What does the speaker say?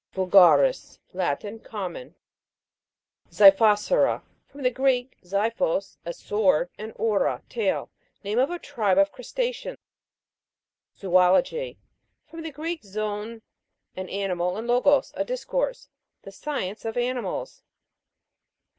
VULGA'RIS. Latin. Common. XI'PHOSURA. From the Grcek, ziphos, a sword, and ovra, tail. Name of a tribe of crusta'ceans. ZOOL'OGY. From the Greek, zoon, an animal, and logos, a discourse. The science of animals.